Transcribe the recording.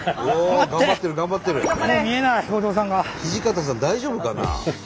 土方さん大丈夫かな？